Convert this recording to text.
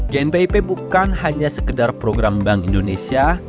gnpip bukan hanya sekedar program bank indonesia